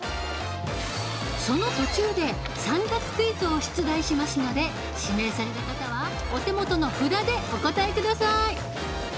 その途中で３択クイズを出題しますので指名された方はお手元の札でお答えください。